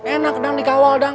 enak dang dikawal dang